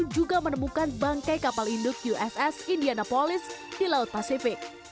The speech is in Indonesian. juga menemukan bangkai kapal hidup uss indianapolis di laut pasifik